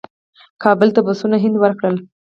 کابل ته بسونه هند ورکړل.